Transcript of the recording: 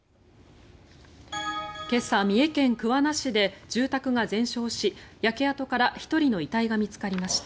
今朝、三重県桑名市で住宅が全焼し焼け跡から１人の遺体が見つかりました。